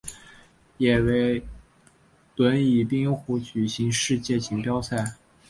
也为轮椅冰壶举行世界锦标赛。